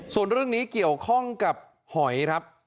ส่วนเรื่องนี้เกี่ยวข้องกับหอยครับ